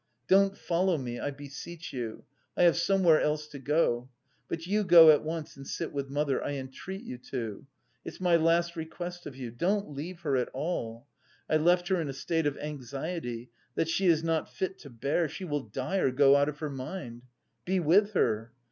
Don't follow me, I beseech you, I have somewhere else to go.... But you go at once and sit with mother. I entreat you to! It's my last request of you. Don't leave her at all; I left her in a state of anxiety, that she is not fit to bear; she will die or go out of her mind. Be with her!